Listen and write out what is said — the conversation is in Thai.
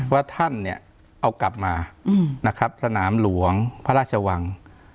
ว่าท่านเนี่ยเอากลับมานะครับสนามหลวงพระราชวัง